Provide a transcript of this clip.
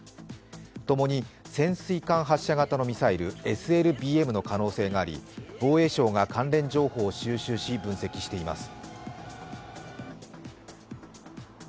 共に潜水艦発射型のミサイル＝ＳＬＢＭの可能性があり防衛省が関連情報を収集し分析しています。